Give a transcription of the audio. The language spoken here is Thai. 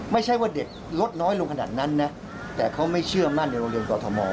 ไม่ใช่ว่าเด็กลดน้อยลงขนาดนั้นนะแต่เขาไม่เชื่อมั่นในโรงเรียนกอทม